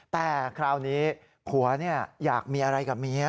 แต่คราวนี้ผัวอยากมีอะไรกับเมีย